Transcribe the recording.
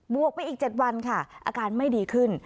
วกไปอีก๗วันค่ะอาการไม่ดีขึ้น